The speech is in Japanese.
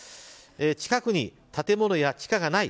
近くに建物や地下がない。